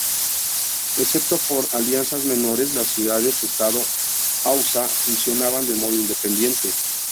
Excepto por alianzas menores, las ciudades-Estado hausa funcionaban de modo independiente.